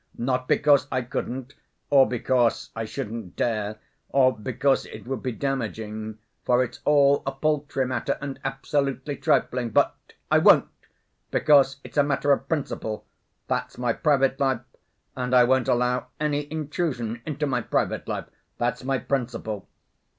Not because I couldn't, or because I shouldn't dare, or because it would be damaging, for it's all a paltry matter and absolutely trifling, but—I won't, because it's a matter of principle: that's my private life, and I won't allow any intrusion into my private life. That's my principle.